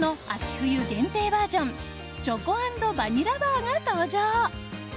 冬限定バージョンチョコ＆バニラバーが登場！